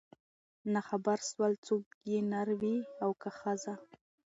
نه خبر سول څوک چي نر وې او که ښځه